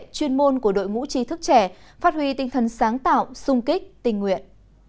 chuyên môn của đội ngũ trí thức trẻ phát huy tinh thần sáng tạo sung kích tình nguyện